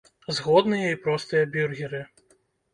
Згодныя і простыя бюргеры.